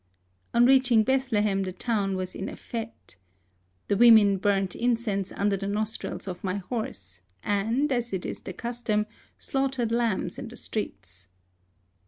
On reaching Bethlehem the town was in afSte. The women burnt in cense under the nostrils of my horse, and, as is the custom, slaughtered lambs in the streets.